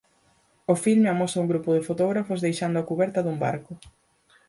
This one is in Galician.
O filme amosa un grupo de fotógrafos deixando a cuberta dun barco.